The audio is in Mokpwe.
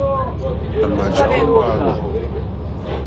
À mà jàwó mbáǃámì.